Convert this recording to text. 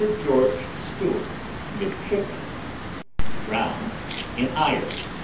GEORGE STEWART, midshipman } drowned in irons 12.